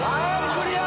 クリア。